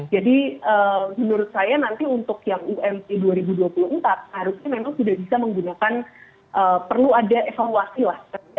jadi menurut saya nanti untuk yang umt dua ribu dua puluh empat harusnya memang sudah bisa menggunakan perlu ada evaluasi lah